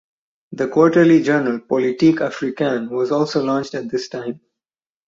The quarterly journal Politique africaine was also launched at this time.